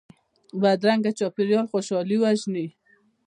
بدرنګه چاپېریال خوشحالي وژني